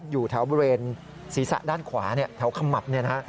อยู่แถวบริเวณศีรษะด้านขวาแถวขมับ